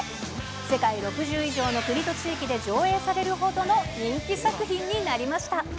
世界６０以上の国と地域で上映されるほどの人気作品になりました。